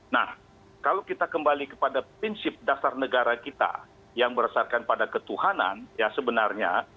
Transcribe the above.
nah kalau kita kembali kepada prinsip dasar negara kita yang berdasarkan pada ketuhanan ya sebenarnya